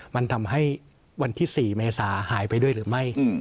มันทำให้วันที่๔เมษาหายไปด้วยหรือไม่